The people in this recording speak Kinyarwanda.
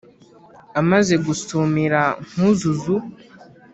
Amaze gusumira Nkuzuzu